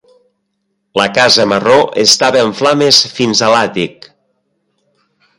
La casa marró estava en flames fins a l'àtic.